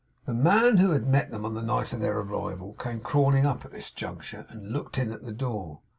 The man who had met them on the night of their arrival came crawling up at this juncture, and looked in at the door.